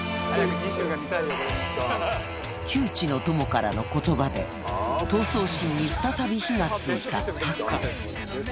旧知の友からのことばで、闘争心に再び火がついた拓。